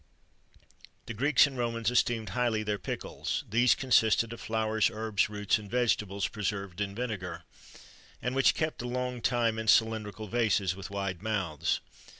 The Greeks and Romans esteemed highly their pickles: these consisted of flowers, herbs, roots, and vegetables, preserved in vinegar, and which kept a long time in cylindrical vases with wide mouths.